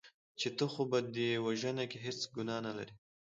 چې ته خو په دې وژنه کې هېڅ ګناه نه لرې .